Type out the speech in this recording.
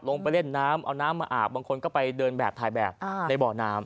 ลงไปเล่นน้ำเอาน้ำมาอาบบางคนก็ไปเดินแบบถ่ายแบบในบ่อน้ำ